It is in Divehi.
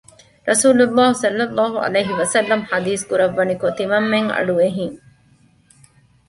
ރަސޫލު ﷲ ﷺ ޙަދީޘް ކުރައްވަނިކޮށް ތިމަން އަޑު އެހިން